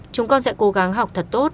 chúng con sẽ cố gắng học thật tốt